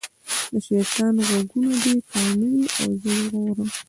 د شیطان غوږونه دي کاڼه وي او زه ژغورم.